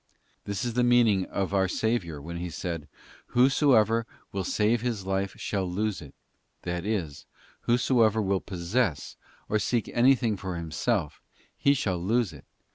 This is the meaning of our Saviour when He said, ' Whosoever will save THE JOY OF SUFFERING. 17 his life shall lose it;'* that is, whosoever will possess, or seek anything for himself, he shall lose it..